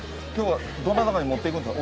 どなたかに持っていくんですか？